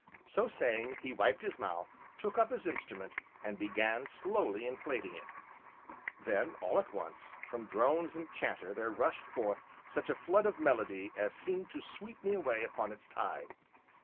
So saying, he wiped his mouth, took up his instrument, and began slowly inflating it. Then, all at once, from drones and chanter there rushed forth such a flood of melody as seemed to sweep me away upon its tide.